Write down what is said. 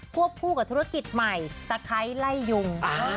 วบคู่กับธุรกิจใหม่สะไคร้ไล่ยุง